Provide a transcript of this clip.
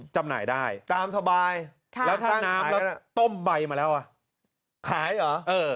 จำหน่ายได้ตามสบายแล้วถ้าน้ำต้มใบมาแล้วอ่ะขายเหรอเออ